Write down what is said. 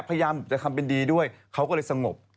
พยายามจะทำเป็นดีด้วยเขาก็เลยสงบ